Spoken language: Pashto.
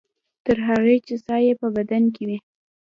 تر هغې چې ساه یې په بدن کې وي.